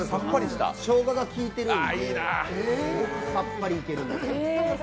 しょうががきいているんでさっぱりいけるんです。